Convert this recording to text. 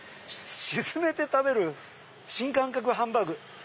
「沈めて食べる新感覚ハンバーグ」。